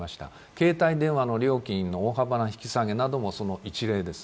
携帯電話の料金の大幅な引き下げなどもその一例です。